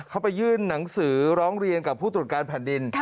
เขาไปยื่นหนังสือร้องเรียนกับผู้ตรวจการแผ่นดิน